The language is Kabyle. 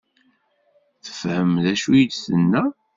Tefhem d acu i d-tenna?